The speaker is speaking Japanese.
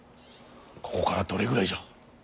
ここからどれぐらいじゃ。